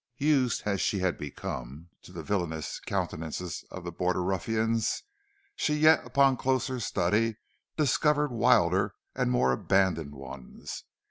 Used as she had become to the villainous countenances of the border ruffians, she yet upon closer study discovered wilder and more abandoned ones.